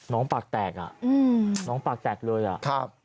น้องปากแตกอ่ะน้องปากแตกเลยอ่ะ